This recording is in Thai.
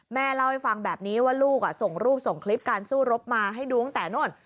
แม่เล่าให้ฟังแบบนี้ว่าลูกส่งรูปส่งคลิปการสู้รบมาให้ดูตั้งแต่โน่น